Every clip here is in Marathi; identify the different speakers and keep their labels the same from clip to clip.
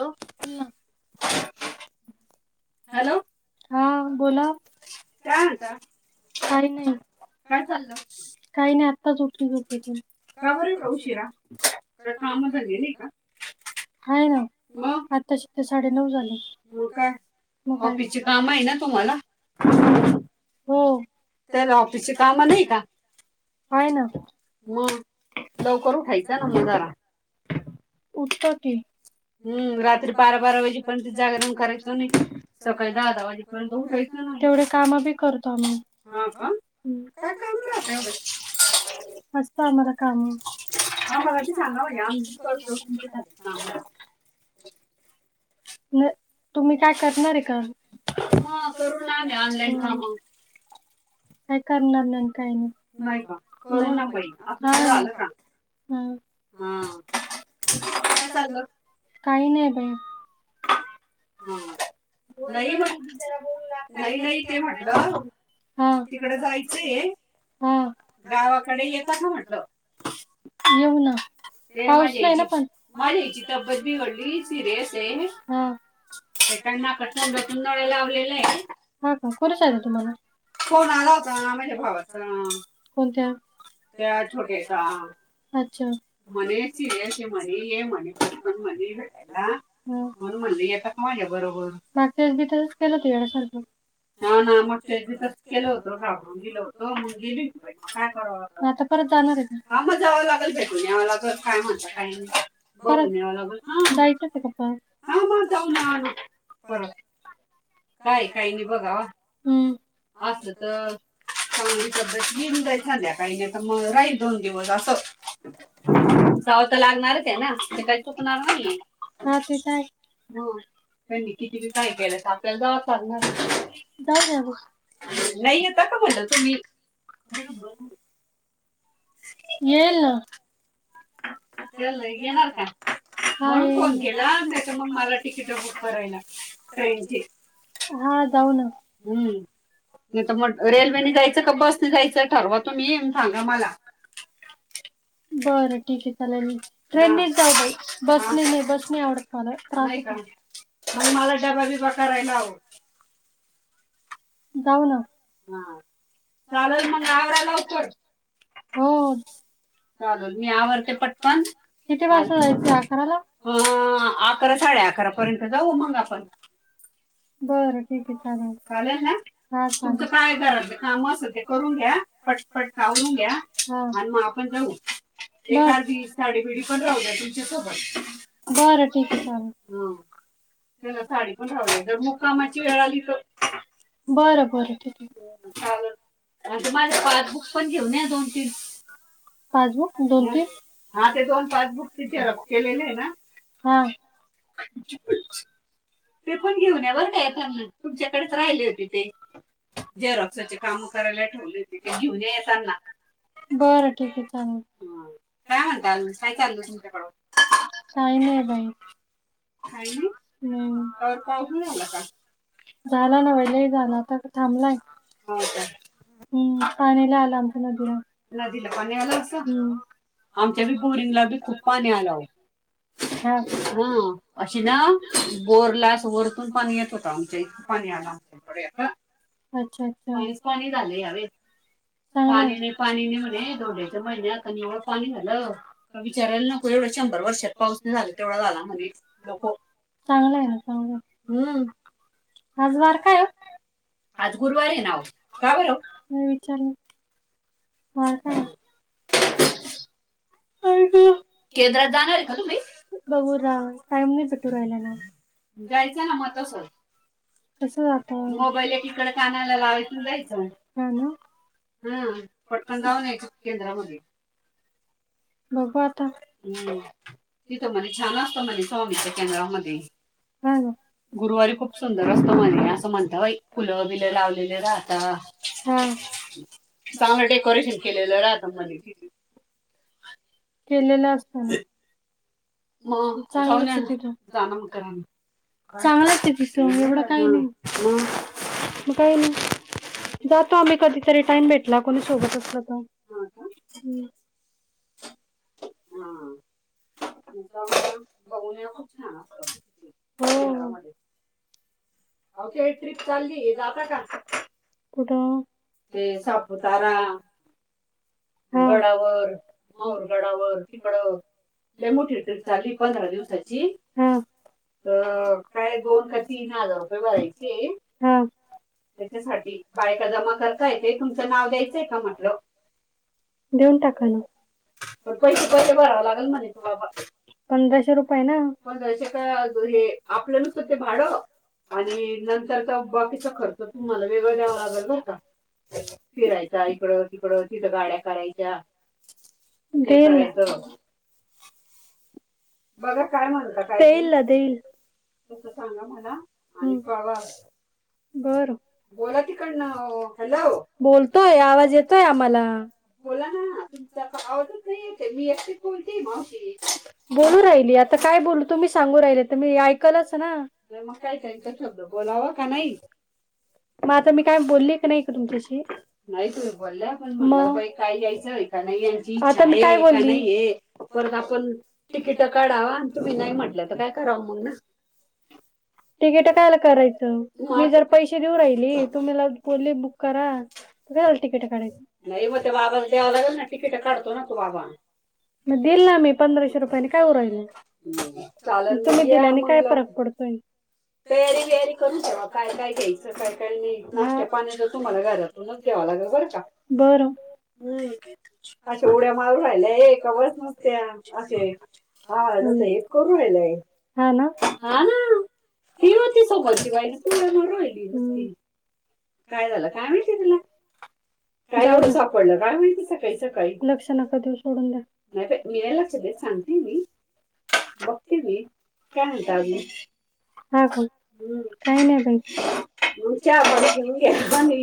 Speaker 1: Hello [unintelligible] hello. हां बोला काय म्हणता? काही नाही. काय चाललं? काही नाही आत्ता चं उटली झोपे तून का बर एवढं, उशीरा काय काम धंदे नाही कां म आताशी तर साडे नऊ झाले. हो कायं, ऑफिसची काम आहे नां तुम्हाला [unintelligible] हो. - त्याला ऑफिसची काम नाहीं कां? हायं नां मग लवकर उठायचं नां मग जरां. - उठतो की हम्मं रात्री बारां बारां वाजेपर्यंत जागरण करायचं, आणि सकाळी दहा दहा वाजेपर्यंत पण ना तेवढे काम बी करतो, असे मत होय का काय काम राहते एवढे [inaudible] असत आम्हाला काम [inaudible] हा बघा ते सांगावा घ्या बाई करतो. - न तुम्ही काय करणार आहे कां? हा करू ना आम्ही ऑनलाईन काम काय करणार नाय अन् काय नाई, नाही का करुणा आता झालं काम. हा हा.
Speaker 2: [unintelligible] काय चालल?
Speaker 1: काही नाय बाई
Speaker 2: हा नाई म, नाई नाई ते म्हटलं. तिकड जायचंय, गावाकडे येता का म्हटलं! [inaudible] ते माझ्या आईची, माझ्या आईची तब्येत बिघडली सिरियस आहे. ते काय नाका तोंडातून नळ्या लावलेल्या आहेत. फोन आला होता माझ्या भावाचा, त्या छोट्याचा. म्हणे सिरियस ए, म्हणे ये म्हणे पटकन ये, म्हणे भेटायला. म्हणून म्हणते
Speaker 1: येता का माझ्या बरोबर मागच्या वेळेस तसंच केले होते येड्या सारखं ह ना मग त्यांनी तसंच केल होतं घाबरून दिेल होतं मग गेलीच होती बाई काय करावं आता परत जाणार ह्यात ना हा ना मग जावं लागणार आला तर काय म्हणता काय नाय परत जायचे हाय का परत पर काय काही नाही बघा अस तर चांगली तब्येत तर ईन बाई संध्याकाळी काही नाही तर मग राहील दोन दिवस असं
Speaker 2: जाव तर लागणारच हाय ना ते काय चुकणार नाहीये. हो त्यांनी किती बी पाणी पिले तरी आपल्या जाव लागणार ना नाही येत का म्हटलं तुम्ही खरचं बनवू
Speaker 1: येईल ना येणार का हा म्हणून फोन केला नाय तर मग मला तिकिट बुक करायला ट्रेनची हा जाऊ ना हम्म नाही तर मग रेल्वेने जायचं का बसनी जायचं ठरवा तुम्ही सांगा मला बरं ठीक आहे चाल ट्रेननेच जाऊ बाई बसने नाय बस नाय आवडत मला त्रास होतो. मग मला डबा बीबा करायला लाव
Speaker 2: [inaudible] जाऊ ना हा चालेल मग आवरा लवकर
Speaker 1: हो
Speaker 2: चालेल मग मी आवरते पटकन किती वाजता जायचे अकरा साडे अकरा साडे अकरा तो पर्यंत जाऊ मग आपण बरं ठीक आहे चालेल चालेल ना तुमचं काय घरातलं काम असेल ते करून घ्या पटपट आवरून घ्या आणि मग आपण जाऊ. एखादी साडी बिडी भी राहुण्देल तुमच्या सोबत बरं ठीक आहे चालेल हा साडी पण राहुंदेल मुक्कामाची वेळ आली तर बर बर चालेल. आणि तु माझे पासबुक पण घेऊन ये दोन तीन पासबुक दोन तीन हा ती दोन पासबुक झेरॉक्स केलेले आहे ना [inaudible]
Speaker 1: ते पण घेऊन ये बर काय तुमच्याकडेच राहिले होते ते. झेरॉक्स ची कमे करायला ठेवली होती ती घेऊन येेतना बरं ठीक आहे चालेल हा काय म्हणता आ काय चाललं तुमच्याकडे काय नाय बाई काय नाय हम पाऊस नाय आला का झाला ना वेळीच झालय आता थांबलाय. हम्म पाणी लय आले आमच्या नदीला नदीला पाणी आमच्या बी बोरिंगला भी खूप पाणी आला हो ह हा अशीला बोर आपल्या अस वरतून पाणी येत होत आमच्या इथं पाणी आलं आमच्या थोडेस अच्छा अच्छा पाणीच पाणी झालं यावे पाणी पाणी नी म्हणीत होते. महिन्यात आणि एवढं पाणी झालं का विचारायला नको एवढं शंभर वर्षात पाऊस नाही झाला तेवढा झाला म्हने
Speaker 2: नको चांगलं हम् आज वार काय ओ आज गुरुवार ना ओ का बर नाही विचारलं. हा का [unintelligible] केंद्रात जाणार का तुम्ही बघू जाऊ टाईम नाही भेटला ना, जायच ना म तसच मोबाईल एकीकडे कानाला लावायच अन् जायचं. हा पटकन जााऊन यायचं केंद्रामधी
Speaker 1: बघु आता, हम तिथं म्हणे छान असत म्हणे स्वामीच्या केंद्रामध्ये हा न, गुरुवारी खूप सुंदर असतं म्हणे असं म्हणत फुलं बिलं लावलेले राहता हा, चांगलं डेकोरेशन केलेलं राहतं म्हणे तिथ केलेलं असत ना मग, जाण मग करा [unintelligible] चांगलय ते तिथ एवढं काही नाही
Speaker 2: काही नाही
Speaker 1: जातो आम्ही कधीतरी टाइम भेटला कोणी सोबत असला तर हम, हा
Speaker 2: जाऊन बघून या खूप छान असत त्या केंद्रामध्ये [unintelligible] आहों ते ट्रीप चाललीय जाता का ते सापूतारा
Speaker 1: गडावर माऊरगडावर तिकड लय मोठी ट्रीप चाललीय पंधरा दिवसाची तर काय दोन का तीन हजार रुपये भरायचे, हा त्याच्यासाठी बायका जमा करता येते तुमचं नाव द्यायचंय का म्हटलं देऊन टाका ना, पण पैसे पैसे भराव लागेल म्हणे तू बाबा पंधराशे रुपये ना, पंधराशे का हे आपलं नुसतं ते भाडं आणि नंतरचा बाकीचा खर्च तुम्हाला वेगळा द्यावां लागेल नाय का फिरायचा इकडं तिकडं तिथं गाड्या
Speaker 2: करायच्या ते करायचं बघा काय म्हणत का ते
Speaker 1: तस सांगा मला आणि बाबा बर बोला, तिकडन हॅलो बोलतोय आवाज येतोय आम्हाला बोला ना तुमचा आवाजच नाही येतेय मी एकटीच बोलते मावशी बोलू राहिली आता काय बोलू तुम्ही सांगू राहिले तर मी ऐकलच ना, मग काय बोलाव का नाही मग आता मी काय बोलली का नाही का तुमच्याशी नाही तुम्ही बोल्या, मग का यायचं का नाही यांची इच्छा आहे का नाहीये परत आपण
Speaker 2: तिकिट काढावा आणि तुम्ही नाही म्हटलं तर काय करावं मग ना
Speaker 1: तिकिट कायला करायचं मी जर पैसे देऊ राहिली तुम्ही बोलली बुक करा काय तिकीट काढायच, नाही त्या बाबा ला द्याव लागलं ना तिकीट काढतो ना तो बाबा, देईल ना मी पंधराशे रुपये. काय होऊ राहील तुम्ही गेल्याने काय फरक पडतोय. तयारी बीयारी करून ठेवा काय काय घ्यायचं काय काय नाही नाय तुमच्या खर्चा पाण्याच तुम्हाला घालावं [unintelligible] घ्यावा लागल बर का, बर हम्म अशा उड्या मारू राहिला ये कवच नसते असे हा एक करू रालाय, हा ना, हा ना ती होती सोबत तिला धरून राहिली हम काय झालं काय माहिती तिला काय एवडं पडलं काय माहिती सकाळी सकाळी लक्ष नका देऊ सोडून द्या नाही बाई मी नाही लक्ष देत सांगते मी बघती मी काय म्हणता अजून हा का हम्म काही नाही बाई मग चहा पाज तिनी [inaudible] च्यापाणी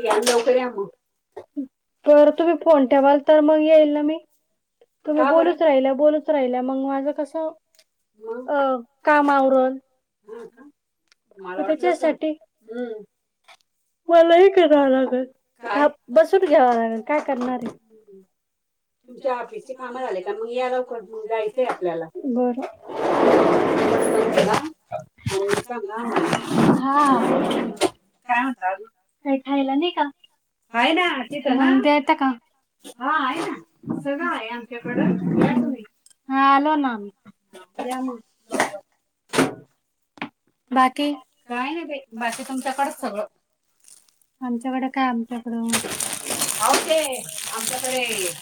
Speaker 1: घ्या अन लवकर या मग
Speaker 2: थोडं तुम्ही फोन ठेवाल तर मग येईल ना मी कावरच राहिल्या बोलूच राहिल्या मग माझं कस मग कामावर हा का मला वाटलं तुमच्यासाठी हम्म
Speaker 1: मलाही कराव लागल हा बसून घ्याव लागल काय करणार आहे
Speaker 2: तुमच्या आफिस ची काम झाली का मग या लवकर मग जायचंय आपल्याला पटकन निघा आण मग सांगा हा मला हा काय म्हणता अजून
Speaker 1: काही खायला नाही का आहे ना देतो हा हम्म देता का हा आहे ना. सगळ आहे आमच्याकड या तुम्ही हा आलो ना आम्ही या मग
Speaker 2: बाकी काय नाई बाई बाकी तुमच्याकडच सगळं.
Speaker 1: आमच्याकड काय आमच्याकड हाऊ ते आमच्याकडे.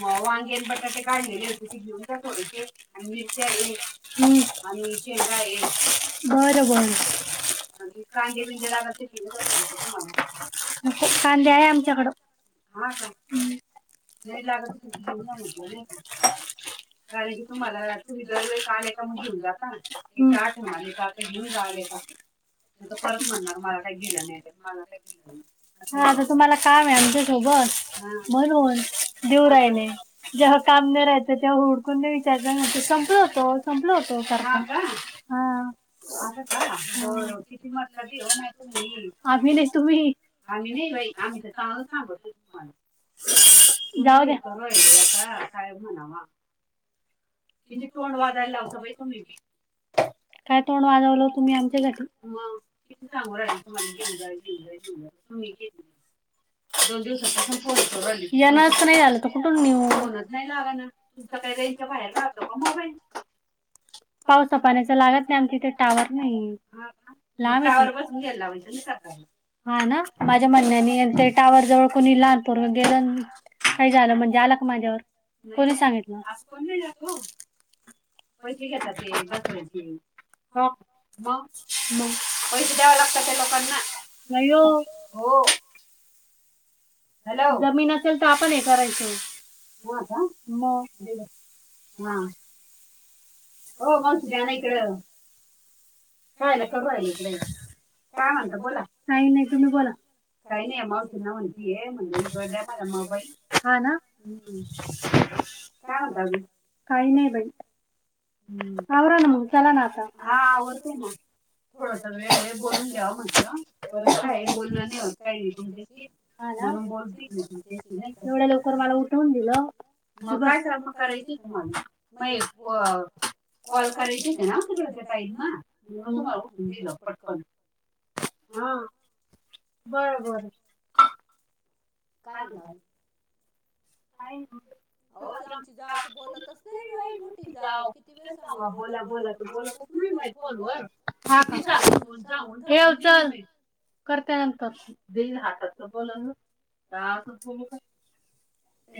Speaker 1: म वांगेण बटाटे काढलेले होते ते घेऊन जा थोडेसे अन मिरच्या घे. हम आणि शेंगा आहेत. बर बर आणि कांदेबिंदे लागत तर घेऊन नको कांदे आहे आमच्याकड हा का हम्म. नाही लागत ते ठेऊन आलीस होय. कारण की तुम्हाला र विदर्भ आले का मग घेऊन जाता ना. घेऊन जाले नाहीतर परत म्हणणार मला काय दिल नाही बाई काय हा तुम्हाला आता काम न आमच्या सोबत हा म्हणून देऊ राहिले जेव्हा काम न राहत तेव्हा हुडकून न विचारलं संपल होत. संपल होत पर हा का हा. हम आम्ही नाही तुम्ही आम्ही नाही बाई आम्ही तर कालच थांबवलत तुम्हाला? जाउद्या आता काय म्हणावं. हिची तोंड वादालाव [inaudible] काय तोंड वाजवलं ओ तुम्ही आमच्यासाठी हा. किती सांगू राहिलो तुम्हाले जेवून जाय जेवून जाय जेवून जाय थांबली की ती दोन दिवसाच पण फोन उचलून राहिली तु येणार तर नाही आल तर कुठून नेऊ फोनच नाही लाग ना. आता काय रेंच्या बाहेर राहतो.
Speaker 2: म मोबाईल
Speaker 1: पावसापाण्याच लागत नाही आमच्या ईथे टावर नाही हा का लांब आहे टावर बसवून कोणी करणार हा ना माझ्या म्हणण्याने एरटेल टावर जवळ कोणी लहान पोरग गेला. काही झालं म्हणजे आला का माझ्यावर हम कोणी सांगितलं असं कोण नाही सांगितलं.
Speaker 2: हू. पैसे घेतात ते बसवायचे हा का मग द्याव लागतात ते लोकांना नाही हो हो. हॅलो जमीन असेल तर आपण हे करायच हा का मग हा.
Speaker 1: हो मनसध्या ना इकडं. ह न क काय म्हणत बोला काही नाही तुम्ही बोला. काय नाही अ मावती नान. म्हण ग्या मला मबाईल हा ना काय होता. काही नाही बाई आवरा ना मग चला ना आता हा आवरतो ना. थोडास वेळे आहे बोलून घ्यावं म्हटलं बर काय बोलण नाही होत काय नाही. हा ना एवढ्या लवकर मला उठवून दिलं. अग आज जरा [inaudible]
Speaker 2: कॉल करायचे ते ना तिकड ते ताईनं मग तुम्हाला उठून दिलं पटकन हा.
Speaker 1: बरबर.
Speaker 2: काय म्हणता अज
Speaker 1: का?
Speaker 2: हो ती आमची जाव तर बोलतच नाही भाई मोठी जाव किती वेळ सांगा बोला बोला तर बोलतच. नाही बाई फोनवरर.
Speaker 1: हकीी जाऊन ठवचल. करतंत देईल हातातच बला अस बोल.
Speaker 2: ह.